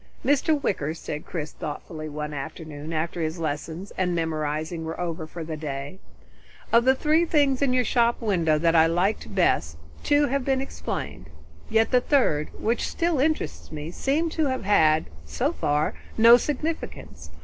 "Mr. Wicker," Chris said thoughtfully one afternoon after his lessons and memorizing were over for the day, "of the three things in your shop window that I liked best, two have been explained. Yet the third, which still interests me, seems to have had, so far, no significance.